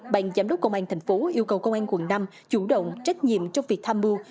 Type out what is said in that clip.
ban giám đốc công an tp hcm yêu cầu công an quận năm chủ động trách nhiệm trong việc tham mưu